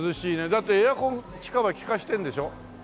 だってエアコン地下まで効かしてるんでしょ？